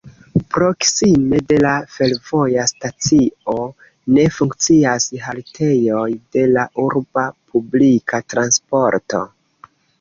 Proksime de la fervoja stacio ne funkcias haltejoj de la urba publika transporto.